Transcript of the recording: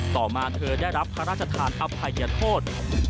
ต่อมาเธอได้รับพระราชทานอภัยโทษ